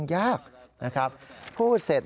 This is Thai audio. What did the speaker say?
นายยกรัฐมนตรีพบกับทัพนักกีฬาที่กลับมาจากโอลิมปิก๒๐๑๖